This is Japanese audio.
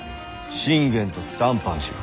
信玄と談判しろ。